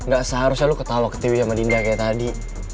gak seharusnya lu ketawa ketiwi sama dinda kayak tadi